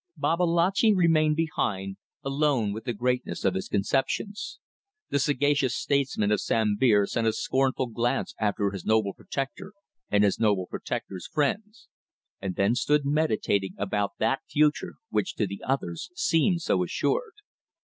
Babalatchi remained behind, alone with the greatness of his conceptions. The sagacious statesman of Sambir sent a scornful glance after his noble protector and his noble protector's friends, and then stood meditating about that future which to the others seemed so assured.